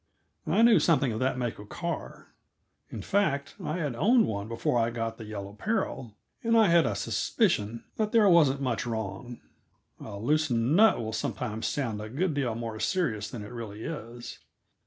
I knew something of that make of car; in fact, I had owned one before I got the Yellow Peril, and I had a suspicion that there wasn't much wrong; a loosened nut will sometimes sound a good deal more serious than it really is.